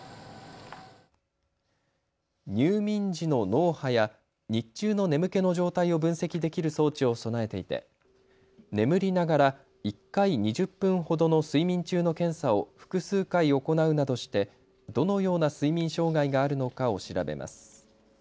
入眠時の脳波や日中の眠気の状態を分析できる装置を備えていて眠りながら１回２０分ほどの睡眠中の検査を複数回、行うなどしてどのような睡眠障害があるのかを調べます。